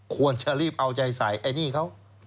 ควรจะรีบเอาใจใส่ไอ้นี่เขา